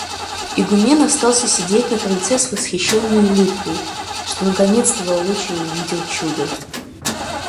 Игумен остался сидеть на крыльце с восхищенной улыбкой, что наконец-то воочию увидел чудо.